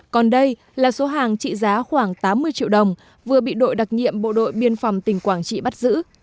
còn đây là số hàng trị giá khoảng tám mươi triệu đồng vừa bị đội đặc nhiệm bộ đội biên phòng tỉnh quảng trị bắt giữ